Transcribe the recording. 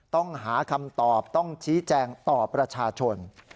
ต้องหาคำตอบต้องชี้แจงต่อประชาชน